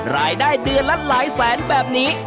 รายได้เดือนละหลายแสนแบบนี้